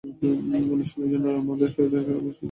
অনুষ্ঠানের জন্য আমাদের সময়মতো সেই ফসল দরকার।